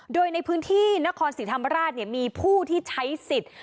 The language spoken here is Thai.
โดยในพื้นที่นครศรีธรรมราชมีผู้ที่ใช้สิทธิ์